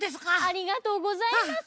ありがとうございます。